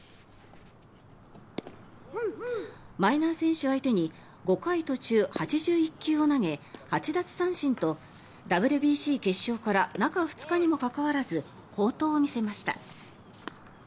マイナー選手相手に５回途中８１球を投げ８奪三振とＷＢＣ決勝から中２日にもかかわらず好投を見せました。